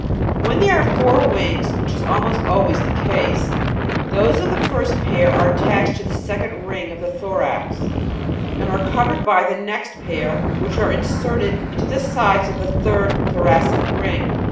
When there are four wings, which is almost always the case, those of the first pair are attached to the second ring of the thorax (f), and are covered by the next pair, which are inserted into the sides of the third thora'cic ring (i).